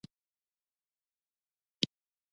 دا لیندیو بېرته بندېږي.